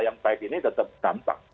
yang baik ini tetap gampang